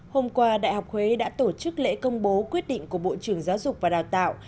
hôm qua đại học huế đã tổ chức lễ công bố quyết định của bộ trưởng giáo dục và đào tạo